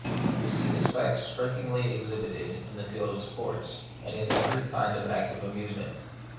We see this fact strikingly exhibited in field sports, and in every kind of active amusement.